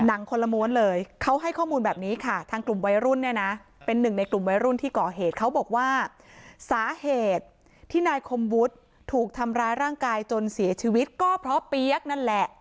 คนละม้วนเลยเขาให้ข้อมูลแบบนี้ค่ะทางกลุ่มวัยรุ่นเนี่ยนะเป็นหนึ่งในกลุ่มวัยรุ่นที่ก่อเหตุเขาบอกว่าสาเหตุที่นายคมวุฒิถูกทำร้ายร่างกายจนเสียชีวิตก็เพราะเปี๊ยกนั่นแหละ